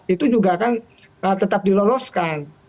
itu juga kan tetap diloloskan